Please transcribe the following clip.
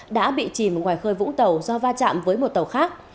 đã bị chìm ngoài khơi vũng tàu do va chạm với một tàu khác